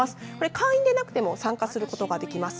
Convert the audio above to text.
会員でなくても参加することができます。